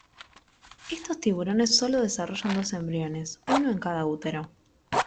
Estos tiburones sólo desarrollan dos embriones, uno en cada útero.